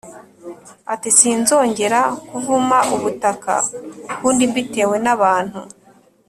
ati sinzongera kuvuma ubutaka ukundi mbitewe n abantu